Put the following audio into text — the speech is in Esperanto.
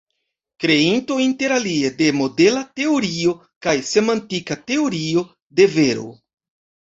Kreinto interalie de modela teorio kaj semantika teorio de vero.